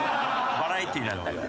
バラエティなんだから。